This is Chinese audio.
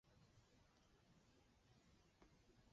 建阳人。